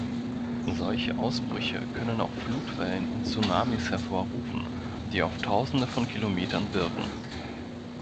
Solche Ausbrüche können auch Flutwellen und Tsunamis hervorrufen, die auf Tausende von Kilometern wirken.